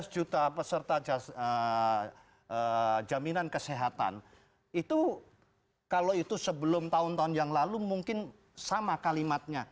lima ratus juta peserta jaminan kesehatan itu kalau itu sebelum tahun tahun yang lalu mungkin sama kalimatnya